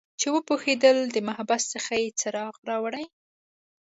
چې وپوهیدل د محبس څخه یې څراغ راوړي